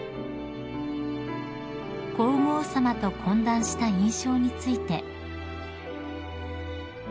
［皇后さまと懇談した印象について］